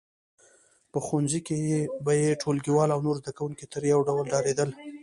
په ښوونځي کې به یې ټولګیوال او نور زده کوونکي ترې یو ډول ډارېدل